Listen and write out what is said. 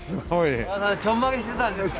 ちょんまげしてたんですか？